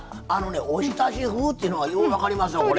おひたし風っていうのがよう分かりますわこれ。